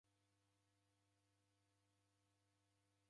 Ifunye noko